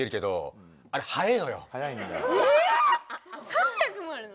⁉３００もあるの？